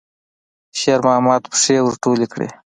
شېرمحمد پښې ور ټولې کړې.